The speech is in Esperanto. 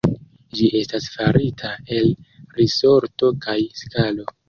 Ĝi estas farita el risorto kaj skalo.